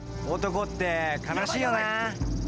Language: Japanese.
「男って悲しいよな」